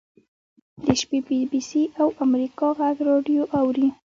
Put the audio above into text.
د شپې بي بي سي او امریکا غږ راډیو اوري.